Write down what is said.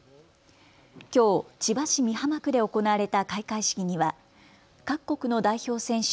きょう千葉市美浜区で行われた開会式には各国の代表選手